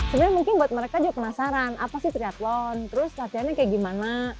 sebenarnya mungkin buat mereka juga penasaran apa sih triathlon terus latihannya kayak gimana